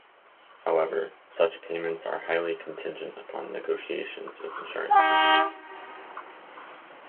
However, such payments are highly contingent upon negotiations with insurance companies.